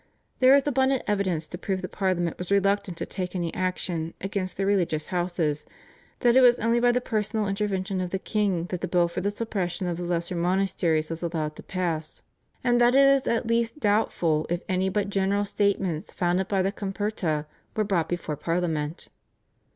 There is abundant evidence to prove that Parliament was reluctant to take any action against the religious houses, that it was only by the personal intervention of the king that the bill for the suppression of the lesser monasteries was allowed to pass, and that it is at least doubtful if any but general statements founded on the /Comperta/ were brought before Parliament.